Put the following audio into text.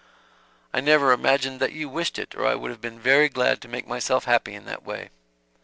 "I never imagined that you wished it or I would have been very glad to make myself happy in that way.